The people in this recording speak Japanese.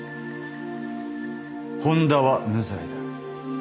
本田は無罪だ。